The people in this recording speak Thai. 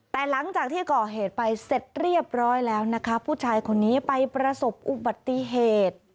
แต่หลังจากที่ก่อเหตุไปเสร็จเรียบร้อยแล้วนะคะผู้ชายคนนี้ไปประสบอุบัติเหตุ